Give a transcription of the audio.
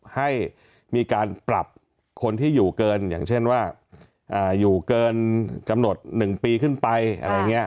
ให้มีการปรับคนที่อยู่เกินอย่างเช่นว่าอยู่เกินกำหนด๑ปีขึ้นไปอะไรอย่างนี้